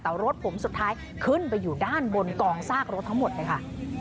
แต่รถผมสุดท้ายขึ้นไปอยู่ด้านบนกองซากรถทั้งหมดเลยค่ะ